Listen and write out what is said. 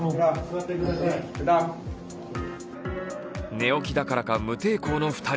寝起きだからか、無抵抗の２人。